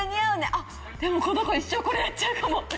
あっでもこの子一生これやっちゃうかもとか。